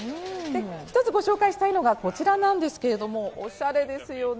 一つご紹介したいのがこちらなんですけれども、おしゃれですよね。